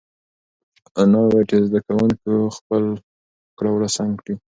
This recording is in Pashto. انا وویل چې زه باید خپل کړه وړه سم کړم.